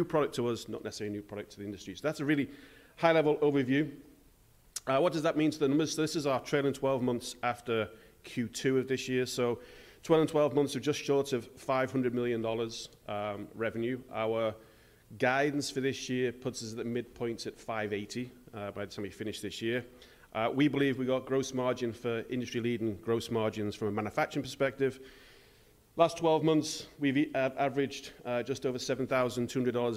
New product to us, not necessarily a new product to the industry. So that's a really high-level overview. What does that mean to the numbers? So this is our trailing 12 months after Q2 of this year. So trailing 12 months are just short of $500 million revenue. Our guidance for this year puts us at the midpoint at $580 million by the time we finish this year. We believe we got gross margin for industry-leading gross margins from a manufacturing perspective. Last 12 months, we've averaged just over $7,200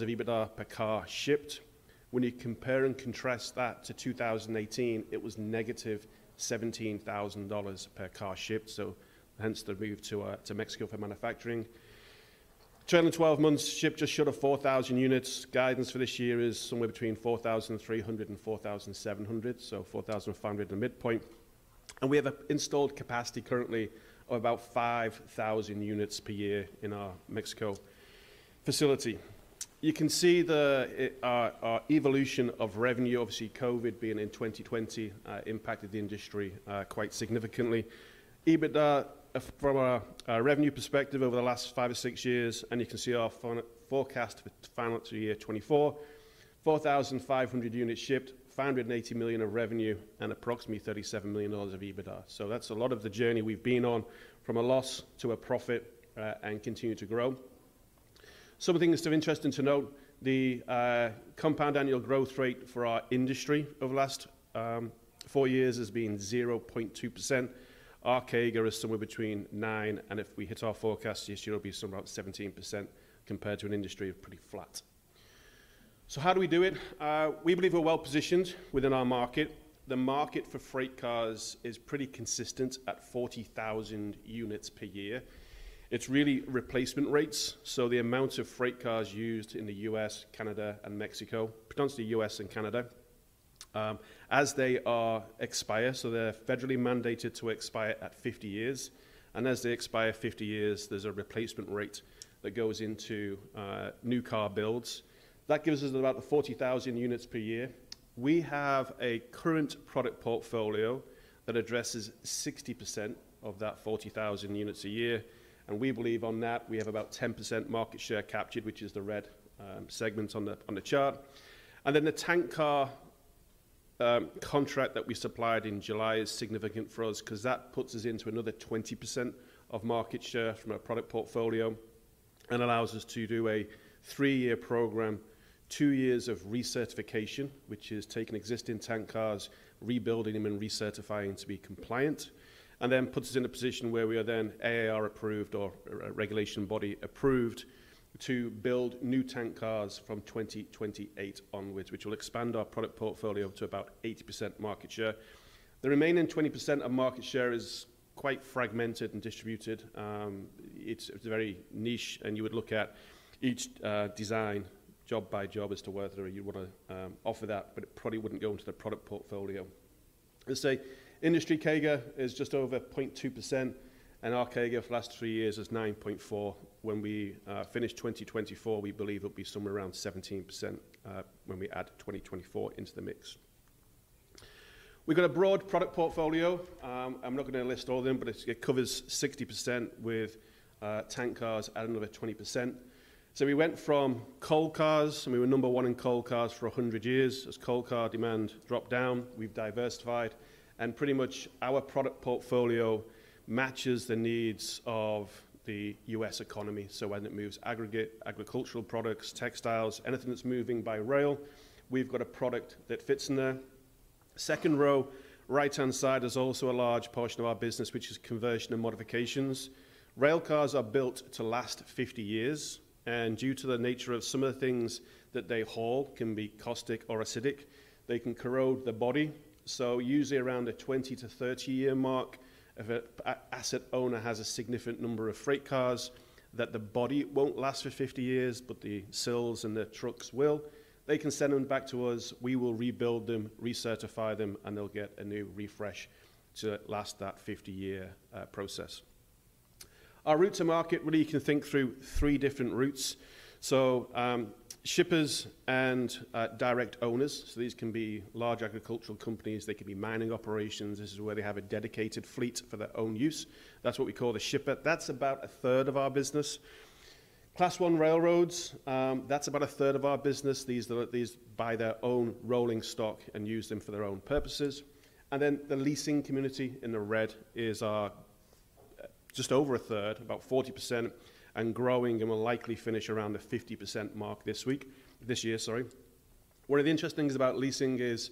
of EBITDA per car shipped. When you compare and contrast that to 2018, it was negative $17,000 per car shipped. So hence the move to Mexico for manufacturing. Trailing 12 months shipments just short of 4,000 units. Guidance for this year is somewhere between 4,300 and 4,700, so 4,500 at the midpoint. We have an installed capacity currently of about 5,000 units per year in our Mexico facility. You can see our evolution of revenue. Obviously COVID being in 2020 impacted the industry quite significantly. EBITDA from a revenue perspective over the last five or six years, and you can see our forecast for the final year 2024: 4,500 units shipped, $580 million of revenue, and approximately $37 million of EBITDA. That's a lot of the journey we've been on from a loss to a profit, and continue to grow. Some of the things that are interesting to note, the compound annual growth rate for our industry over the last four years has been 0.2%. Our CAGR is somewhere between 9% and if we hit our forecast this year, it'll be somewhere around 17% compared to an industry of pretty flat. How do we do it? We believe we're well positioned within our market. The market for freight cars is pretty consistent at 40,000 units per year. It's really replacement rates. So the amounts of freight cars used in the U.S., Canada, and Mexico, potentially U.S. and Canada, as they expire, so they're federally mandated to expire at 50 years. And as they expire 50 years, there's a replacement rate that goes into new car builds. That gives us about the 40,000 units per year. We have a current product portfolio that addresses 60% of that 40,000 units a year. And we believe on that we have about 10% market share captured, which is the red segment on the chart. Then the tank car contract that we supplied in July is significant for us 'cause that puts us into another 20% of market share from our product portfolio and allows us to do a three-year program, two years of recertification, which is taking existing tank cars, rebuilding them and recertifying to be compliant, and then puts us in a position where we are then AAR approved or a regulation body approved to build new tank cars from 2028 onwards, which will expand our product portfolio to about 80% market share. The remaining 20% of market share is quite fragmented and distributed. It's very niche, and you would look at each design job by job as to whether you'd wanna offer that, but it probably wouldn't go into the product portfolio. Let's say industry CAGR is just over 0.2%, and our CAGR for the last three years is 9.4%. When we finish 2024, we believe it'll be somewhere around 17%, when we add 2024 into the mix. We've got a broad product portfolio. I'm not gonna list all of them, but it covers 60% with tank cars at another 20%, so we went from coal cars, and we were number one in coal cars for 100 years. As coal car demand dropped down, we've diversified, and pretty much our product portfolio matches the needs of the U.S. economy, so when it moves aggregate, agricultural products, textiles, anything that's moving by rail, we've got a product that fits in there. Second row, right-hand side is also a large portion of our business, which is conversion and modifications. Railcars are built to last 50 years, and due to the nature of some of the things that they haul, can be caustic or acidic, they can corrode the body. Usually around the 20- to 30-year mark, if an asset owner has a significant number of freight cars that the body won't last for 50 years, but the sills and the trucks will, they can send them back to us. We will rebuild them, recertify them, and they'll get a new refresh to last that 50-year process. Our route to market really, you can think through three different routes. Shippers and direct owners. These can be large agricultural companies. They could be mining operations. This is where they have a dedicated fleet for their own use. That's what we call the shipper. That's about a third of our business. Class I railroads, that's about a third of our business. These are, these buy their own rolling stock and use them for their own purposes. Then the leasing community in the red is just over a third, about 40%, and growing, and we'll likely finish around the 50% mark this week, this year, sorry. One of the interesting things about leasing is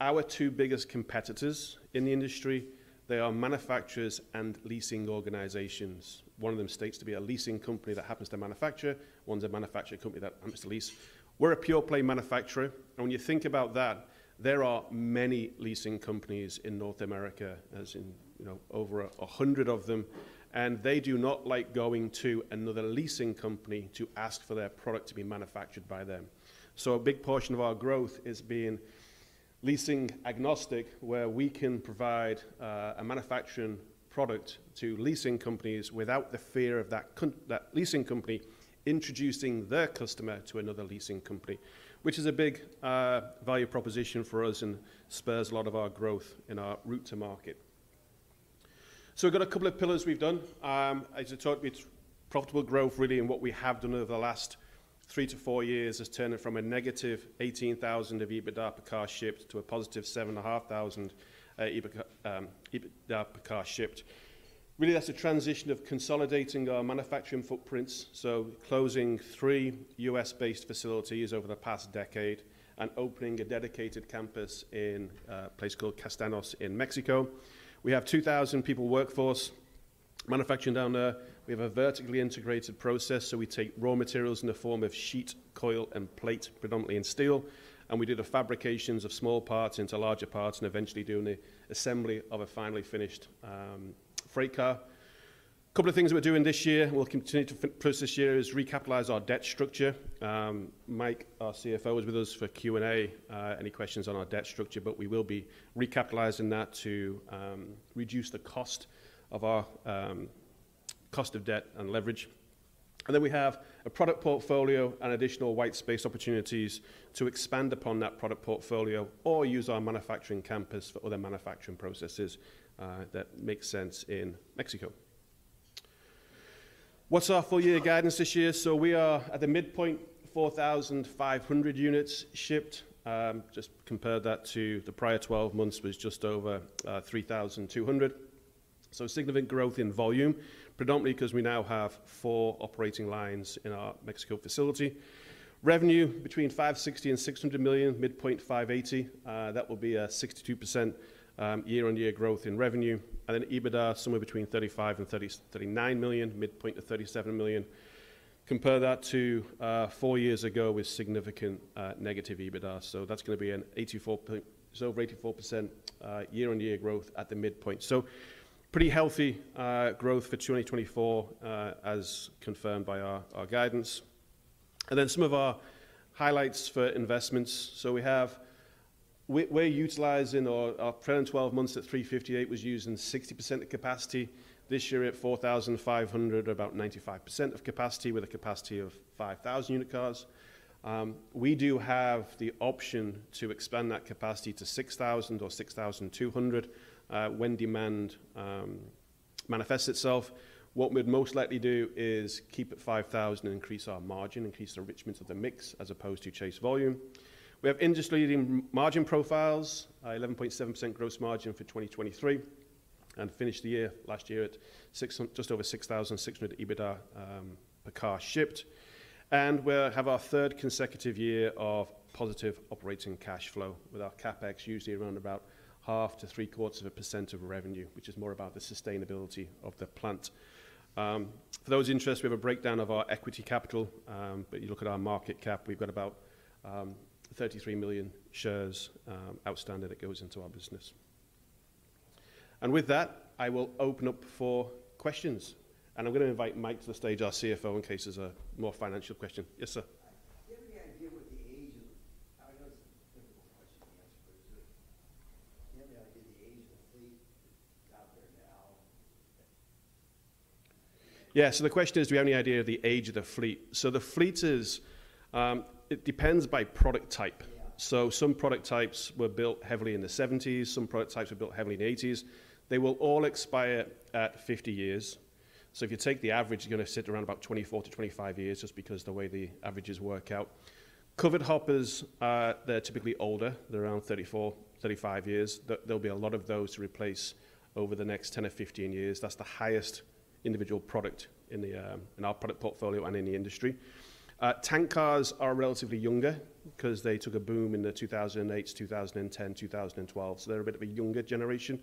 our two biggest competitors in the industry. They are manufacturers and leasing organizations. One of them states to be a leasing company that happens to manufacture. One's a manufacturing company that happens to lease. We're a pure-play manufacturer. When you think about that, there are many leasing companies in North America, as in, you know, over 100 of them, and they do not like going to another leasing company to ask for their product to be manufactured by them. So a big portion of our growth is being leasing agnostic, where we can provide a manufacturing product to leasing companies without the fear of that conflict that leasing company introducing their customer to another leasing company, which is a big value proposition for us and spurs a lot of our growth in our route to market. So we've got a couple of pillars we've done. As I talked, it's profitable growth really, and what we have done over the last three to four years is turn it from a negative $18,000 of EBITDA per car shipped to a positive $7,500 EBITDA per car shipped. Really, that's a transition of consolidating our manufacturing footprints. So closing three U.S.-based facilities over the past decade and opening a dedicated campus in a place called Castaños in Mexico. We have 2,000 people workforce manufacturing down there. We have a vertically integrated process, so we take raw materials in the form of sheet, coil, and plate, predominantly in steel. We do the fabrications of small parts into larger parts and eventually doing the assembly of a finally finished freight car. Couple of things we're doing this year, we'll continue to push this year, is recapitalize our debt structure. Mike, our CFO, was with us for Q&A, any questions on our debt structure, but we will be recapitalizing that to reduce the cost of our cost of debt and leverage. We have a product portfolio and additional white space opportunities to expand upon that product portfolio or use our manufacturing campus for other manufacturing processes that make sense in Mexico. What's our full year guidance this year? We are at the midpoint, 4,500 units shipped. Just compared that to the prior 12 months, was just over 3,200. So significant growth in volume, predominantly 'cause we now have four operating lines in our Mexico facility. Revenue between $560 million and $600 million, midpoint $580 million. That will be a 62% year-on-year growth in revenue. And then EBITDA somewhere between $35 million and $39 million, midpoint to $37 million. Compare that to four years ago with significant negative EBITDA. So that's gonna be an 84%, so over 84% year-on-year growth at the midpoint. So pretty healthy growth for 2024, as confirmed by our guidance. And then some of our highlights for investments. So we have, we're utilizing our trailing 12 months at 358 was using 60% of capacity. This year at 4,500, about 95% of capacity with a capacity of 5,000 unit cars. We do have the option to expand that capacity to 6,000 or 6,200, when demand manifests itself. What we'd most likely do is keep at 5,000 and increase our margin, increase enrichment of the mix as opposed to chase volume. We have industry-leading margin profiles, 11.7% gross margin for 2023, and finished the year last year at six just over $6,600 EBITDA per car shipped, and we have our third consecutive year of positive operating cash flow with our CapEx usually around about 0.5%-0.75% of revenue, which is more about the sustainability of the plant. For those interests, we have a breakdown of our equity capital, but you look at our market cap, we've got about 33 million shares outstanding that goes into our business, and with that, I will open up for questions. And I'm gonna invite Mike to the stage, our CFO, in case there's a more financial question. Yes, sir. Do you have any idea what the age of—I don't know if it's a difficult question to answer, but is there—do you have any idea the age of the fleet out there now? Yeah. So the question is, do we have any idea of the age of the fleet? So the fleet is, it depends by product type. Yeah. So some product types were built heavily in the '70s. Some product types were built heavily in the '80s. They will all expire at 50 years. So if you take the average, you're gonna sit around about 24 to 25 years just because the way the averages work out. Covered hoppers, they're typically older. They're around 34, 35 years. There'll be a lot of those to replace over the next 10 or 15 years. That's the highest individual product in our product portfolio and in the industry. Tank cars are relatively younger 'cause they took a boom in the 2008, 2010, 2012. So they're a bit of a younger generation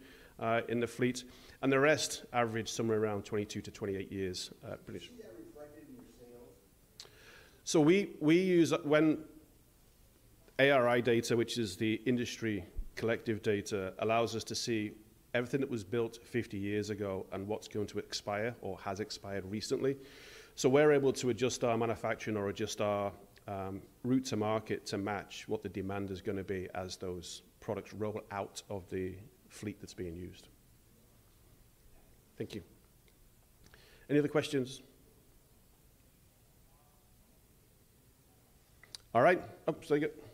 in the fleet. And the rest average somewhere around 22 to 28 years, Brett. How do you see that reflected in your sales? So we use the ARCI data, which is the industry collective data, allows us to see everything that was built 50 years ago and what's going to expire or has expired recently. So we're able to adjust our manufacturing or route to market to match what the demand is gonna be as those products roll out of the fleet that's being used. Thank you. Any other questions? All right. Oh, so you go. How do you guys manage commodity prices? I know you guys bought a lot of inventory. Are you just trying to take contract and buy all the inventory you can run? Or?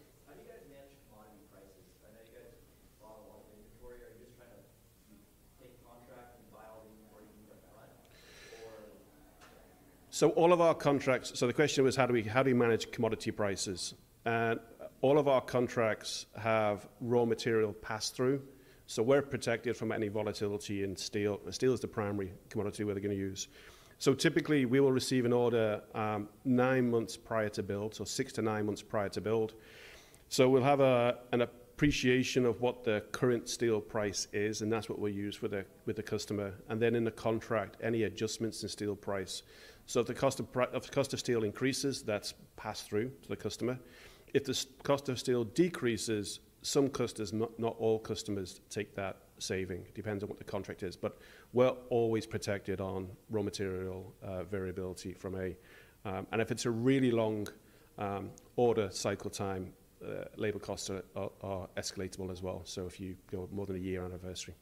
So all of our contracts, so the question was, how do we, how do you manage commodity prices? And all of our contracts have raw material pass-through. So we're protected from any volatility in steel. Steel is the primary commodity we're gonna use. So typically we will receive an order, nine months prior to build, so six to nine months prior to build. So we'll have an appreciation of what the current steel price is, and that's what we'll use with the customer. And then in the contract, any adjustments in steel price. So if the cost of steel increases, that's pass-through to the customer. If the cost of steel decreases, some customers, not all customers take that saving. It depends on what the contract is. But we're always protected on raw material variability from a, and if it's a really long order cycle time, labor costs are escalatable as well. So if you go more than a year anniversary.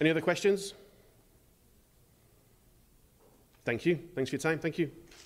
Any other questions? Thank you. Thanks for your time. Thank you.